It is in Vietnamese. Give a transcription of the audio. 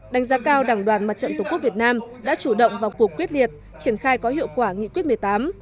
đánh giá cao đảng đoàn mặt trận tổ quốc việt nam đã chủ động vào cuộc quyết liệt triển khai có hiệu quả nghị quyết một mươi tám